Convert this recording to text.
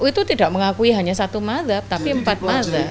nu itu tidak mengakui hanya satu madhab tapi empat madhab